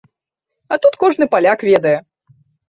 А тут кожны паляк ведае.